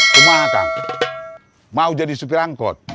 cuma akang mau jadi supir angkot